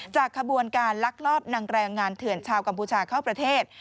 ขบวนการลักลอบนำแรงงานเถื่อนชาวกัมพูชาเข้าประเทศ